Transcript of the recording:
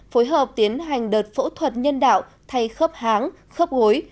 phối hợp tiến hành đợt phẫu thuật nhân đạo thay khắp háng khắp gối